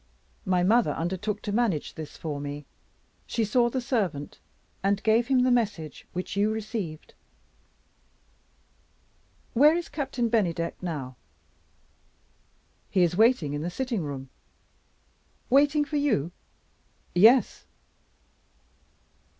My mother undertook to manage this for me; she saw the servant, and gave him the message which you received. Where is Captain Bennydeck now?" "He is waiting in the sitting room." "Waiting for you?" "Yes."